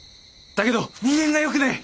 だけど人間がよくねえ！